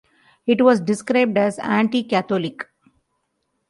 It was described as anti-Catholic.